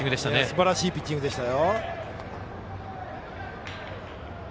すばらしいピッチングでした。